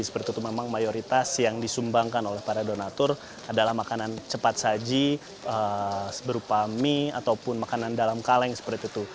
seperti itu memang mayoritas yang disumbangkan oleh para donatur adalah makanan cepat saji berupa mie ataupun makanan dalam kaleng seperti itu